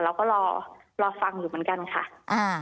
เราก็รอรอฟังอยู่เหมือนกันค่ะ